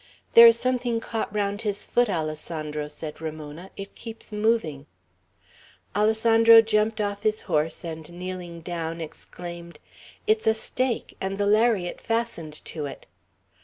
"There is something caught round his foot, Alessandro," said Ramona. "It keeps moving." Alessandro jumped off his horse, and kneeling down, exclaimed, "It's a stake, and the lariat fastened to it.